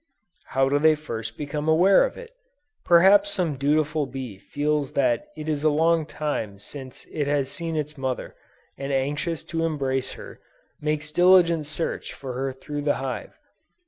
How do they first become aware of it? Perhaps some dutiful bee feels that it is a long time since it has seen its mother, and anxious to embrace her, makes diligent search for her through the hive!